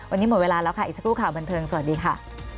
วันนี้หมดเวลาแล้วค่ะอีกสักครู่ข่าวบันเทิงสวัสดีค่ะ